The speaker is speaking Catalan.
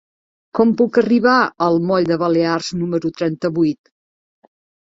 Com puc arribar al moll de Balears número trenta-vuit?